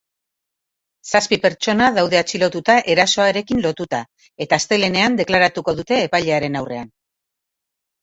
Zazpi pertsona daude atxilotuta erasoarekin lotuta, eta astelehenean deklaratuko dute epailearen aurrean.